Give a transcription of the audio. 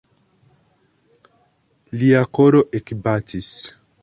Lia koro ekbatis.